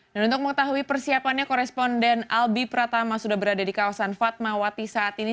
untuk mengetahui persiapannya koresponden albi pratama sudah berada di kawasan fatmawati saat ini